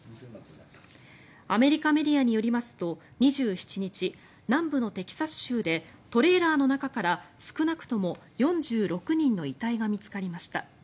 アメリカメディアによりますと２７日南部のテキサス州でトレーラーの中から少なくとも４６人の遺体が見つかりました。